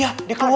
aduh aduh aduh